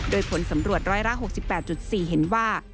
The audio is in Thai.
โดยผลสำรวจร้อยละ๖๘๔เห็นว่า